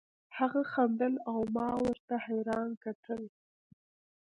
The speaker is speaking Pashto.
هغه خندل او ما ورته حيران کتل.